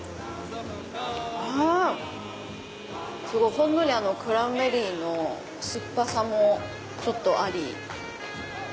ほんのりクランベリーの酸っぱさもちょっとあり。